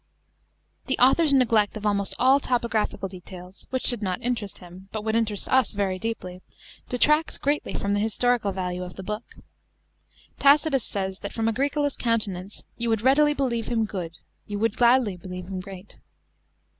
The author's neglect of almost all topographical details, which did not interest him but would interest us very deeply, detracts greatly from the historical value of the book.§ Tacitus says that from Agricola's countenance, " you would readily believe him good, you would gladly believe him great."